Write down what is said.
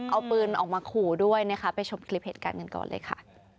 เอาปืนออกมาขู่ด้วยนะคะไปชมคลิปเหตุการณ์กันก่อนเลยค่ะ